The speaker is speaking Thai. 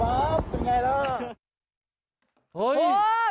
พ๊อปเป็นไงล่ะ